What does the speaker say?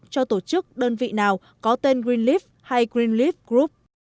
cho tổ chức đơn vị nào có tên greenleaf hay greenleaf group